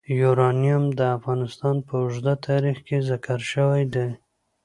یورانیم د افغانستان په اوږده تاریخ کې ذکر شوی دی.